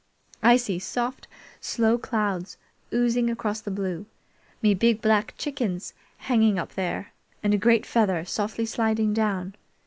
"I see soft, slow clouds oozing across the blue, me big black chickens hanging up there, and a great feather softly sliding down.